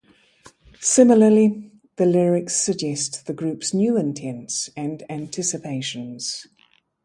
Similarly, the lyrics suggest the group's new intents and anticipations.